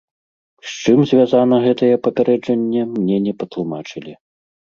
З чым звязана гэтае папярэджанне, мне не патлумачылі.